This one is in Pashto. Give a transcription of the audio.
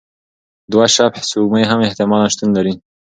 دوه شبح سپوږمۍ هم احتمالاً شتون لري.